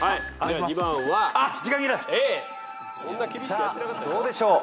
さあどうでしょう？